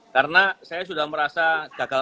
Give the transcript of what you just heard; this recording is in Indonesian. karena saya sudah merasa gagal